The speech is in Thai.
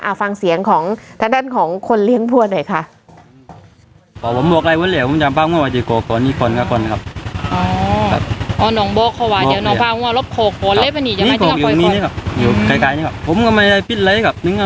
เอาฟังเสียงของทางด้านของคนเลี้ยงวัวหน่อยค่ะ